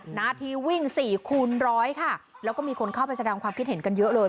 หน้าที่วิ่งสี่คูณร้อยค่ะแล้วก็มีคนเข้าไปแสดงความคิดเห็นกันเยอะเลย